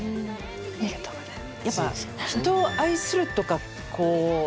ありがとうございます。